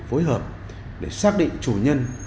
phối hợp để xác định chủ nhân